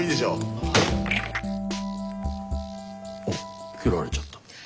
あっ切られちゃった。